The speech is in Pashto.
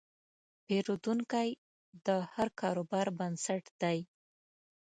پیرودونکی د هر کاروبار بنسټ دی.